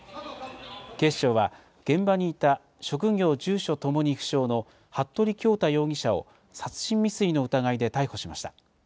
警視庁は現場にいた職業、住所ともに不詳の服部恭太容疑者を殺人未遂の疑いで逮捕しました。